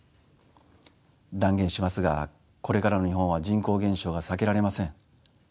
断言しますがこれからの日本は人口減少が避けられません。